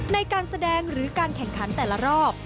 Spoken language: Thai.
ในการแสดงหรือการแข่งขันแต่ละรอบ